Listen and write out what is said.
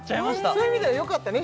そういう意味ではよかったね